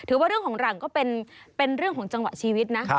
ว่าเรื่องของหลังก็เป็นเรื่องของจังหวะชีวิตนะ